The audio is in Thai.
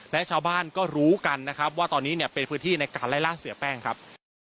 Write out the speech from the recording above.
และชาวบ้านก็รู้กันนะครับว่าตอนนี้เนี่ยเป็นพื้นที่ในการไล่ล่าเสียแป้งครับ